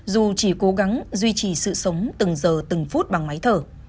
dù chỉ cố gắng duy trì sự sống từng giờ từng phút bằng máy thở